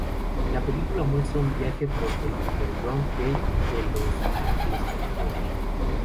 La película muestra un viaje por el underground gay de Los Ángeles, California.